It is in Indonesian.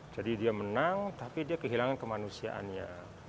jadi dia menang tapi dia kehilangan kemanusiaannya